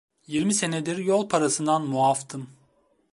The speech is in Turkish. Yirmi senedir yol parasından muaftım.